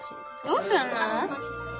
どうすんの。